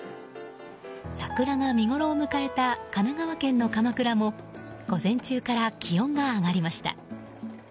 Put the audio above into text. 桜が見ごろを迎えた神奈川県の鎌倉も午前中から気温が上がりました。